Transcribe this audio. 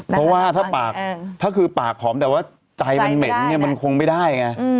เพราะว่าถ้าคือปากหอมแต่ว่าใจมันเหม็นมันคงไม่ได้